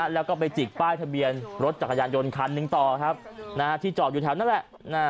แล้วก็ไปจิกป้ายทะเบียนรถจักรยานยนต์คันหนึ่งต่อครับที่จอดอยู่แถวนั่นแหละ